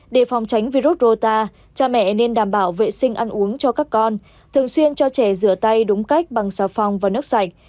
để phòng tránh virus rota cha mẹ nên đảm bảo vệ sinh ăn uống cho các con thường xuyên cho trẻ rửa tay đúng cách bằng xà phòng và nước sạch